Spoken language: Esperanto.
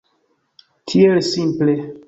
Tiel simple.